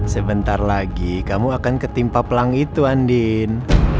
sebentar lagi kamu akan ketimpa pelang itu andin